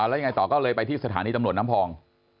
แล้วยังไงต่อก็เลยไปที่สถานีตำรวจน้ำพอง